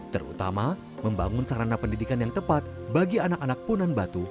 terutama membangun sarana pendidikan yang tepat bagi anak anak punan batu